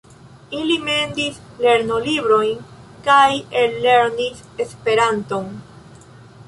Ili mendis lernolibrojn kaj ellernis Esperanton.